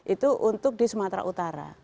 itu untuk di sumatera utara